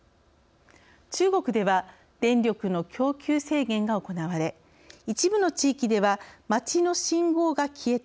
中国では電力の供給制限が行われ一部の地域では「街の信号が消えた」